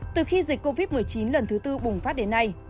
từ khi dịch covid một mươi chín lần thứ tư bùng phát đến nay